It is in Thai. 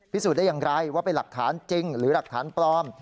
พิสูจน์ได้อย่างไรว่าเป็นหลักฐานจริงหรือหลักฐานปลอม